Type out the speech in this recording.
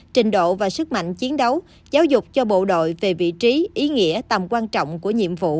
trình độ và sức mạnh chiến đấu giáo dục cho bộ đội về vị trí ý nghĩa tầm quan trọng của nhiệm vụ